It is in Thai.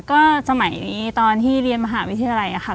ก็สมัยนี้ตอนที่เรียนมหาวิทยาลัยค่ะ